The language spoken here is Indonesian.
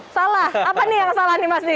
salah apa nih yang salah nih mas di